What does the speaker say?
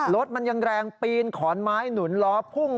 รถมันยังแรงปีนขอนไม้หนุนล้อพุ่ง